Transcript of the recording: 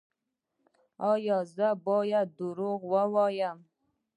ایا زه باید دروغ ووایم؟